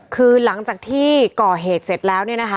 คือหลังจากที่ก่อเหตุเสร็จแล้วเนี่ยนะคะ